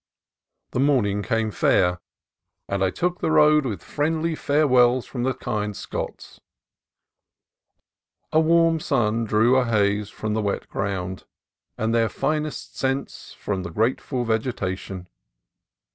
The morning came fair, and I took the road with A FINE SURF 279 friendly farewells from the kind Scots. A warm sun drew a haze from the wet ground and their finest scents from the grateful vegetation.